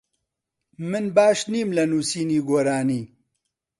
من باش نیم لە نووسینی گۆرانی.